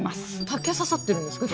竹刺さってるんですか？